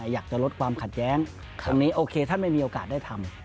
อยากจะลดความขัดแย้งตรงนี้โอเคท่านไม่มีโอกาสได้ทำ